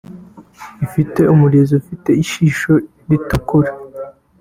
Ifite umurizo ufite ishisho ritukura